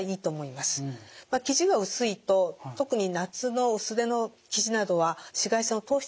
まあ生地が薄いと特に夏の薄手の生地などは紫外線を通してしまいます。